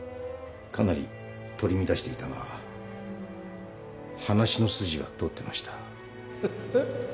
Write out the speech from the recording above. かなり取り乱していたが話の筋は通ってました。